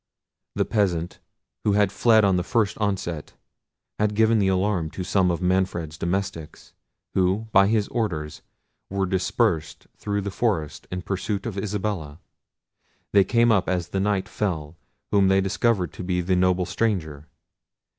The peasant, who had fled on the first onset, had given the alarm to some of Manfred's domestics, who, by his orders, were dispersed through the forest in pursuit of Isabella. They came up as the Knight fell, whom they soon discovered to be the noble stranger.